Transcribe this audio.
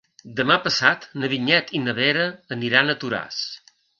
Demà passat na Vinyet i na Vera aniran a Toràs.